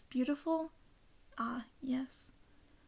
Beautiful ? Ah, yes.